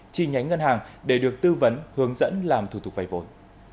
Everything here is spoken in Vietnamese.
chi nhánh ngân hàng để được tư vấn hướng dẫn làm thủ tục vay vốn